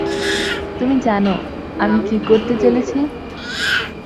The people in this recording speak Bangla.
তুমি জানো আমি কি করতে চলেছি?